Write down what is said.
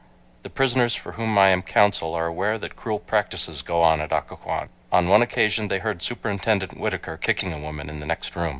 . The prisoners for whom I am counsel are aware that cruel practices go on at Occoquan. On one occasion they heard Superintendent Whittaker kicking a woman in the next room.